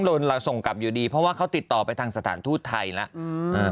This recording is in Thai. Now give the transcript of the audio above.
เราส่งกลับอยู่ดีเพราะว่าเขาติดต่อไปทางสถานทูตไทยแล้ว